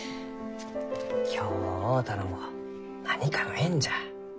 今日会うたのも何かの縁じゃ。